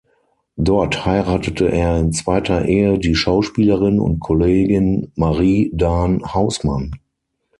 Dort heiratete er in zweiter Ehe die Schauspielerin und Kollegin Marie Dahn-Hausmann.